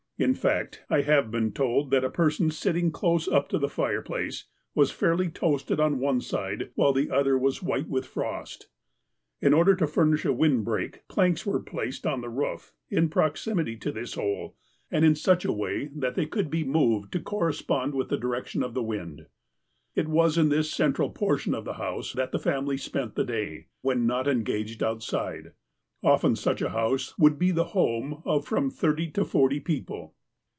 In fact, I have been told that a person sitting close up to the fireplace was fairly toasted on one side, while the other w;is white with frost. In order to furnish a windbreak, planks were placed on the roof, in proximity to this hole, and in such a way AT THE FORT 56 that they could be moved to correspond with the direc tion of the wind. It was in this central portion of the house that the family spent the day, when not engaged outside. Often such a house would be the home of fi om thirty to forty people.